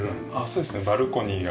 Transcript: そうですねバルコニーが。